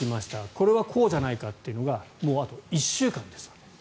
これはこうじゃないかというのがあと１週間です。